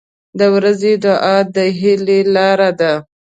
• د ورځې دعا د هیلې لاره ده.